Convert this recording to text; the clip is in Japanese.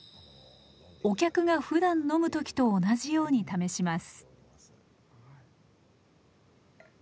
お客がふだん飲む時と同じように試します。